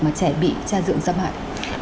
mà trẻ bị cha dượng xâm hại